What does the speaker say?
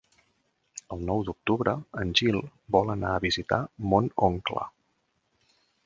El nou d'octubre en Gil vol anar a visitar mon oncle.